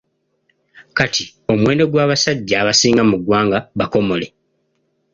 Kati, omuwendo gw'abasajja abasinga mu ggwanga bakomole.